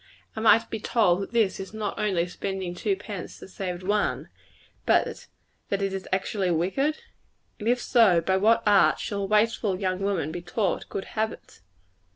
Am I to be told that this is not only spending two pence to save one, but that it is actually wicked? If so, by what art shall a wasteful young woman be taught good habits?